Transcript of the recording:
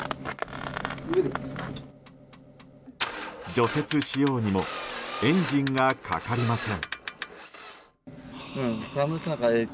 除雪しようにもエンジンがかかりません。